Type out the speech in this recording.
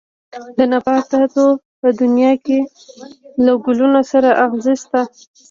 د نباتاتو په دنيا کې له ګلونو سره ازغي شته.